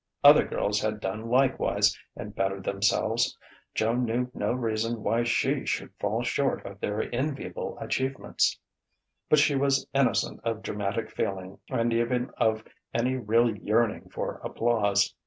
Other girls had done likewise and bettered themselves: Joan knew no reason why she should fall short of their enviable achievements; but she was innocent of dramatic feeling and even of any real yearning for applause.